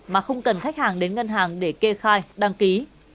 mà không cần khách hàng đến ngân hàng để kê khai đăng ký